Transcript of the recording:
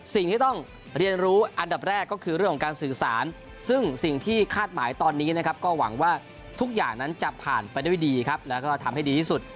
สิ่งที่ต้องเรียนรู้อันดับแรกก็คือเรื่องของการสื่อสารซึ่งสิ่งที่คาดหมายตอนนี้นะครับก็หวังว่าทุกอย่างนั้นจะผ่านไปด้วยดีครับแล้วก็ทำให้ดีที่สุด